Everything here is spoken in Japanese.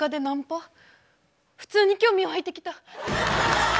普通に興味湧いてきた。